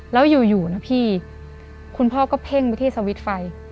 แล้วอยู่นะพี่คุณพ่อก็เพ่งไปที่สวิตช์ไฟ